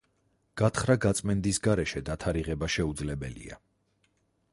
გათხრა-გაწმენდის გარეშე დათარიღება შეუძლებელია.